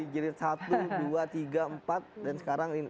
dari jilid satu dua tiga empat dan sekarang ini